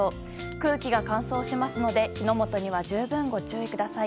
空気が乾燥しますので火の元には十分ご注意ください。